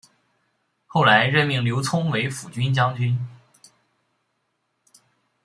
后来任命刘聪为抚军将军。